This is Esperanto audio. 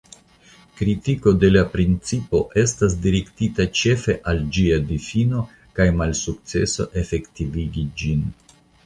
Kritiko de la principo estas direktita ĉefe al ĝia difino kaj malsukceso efektivigi ĝin.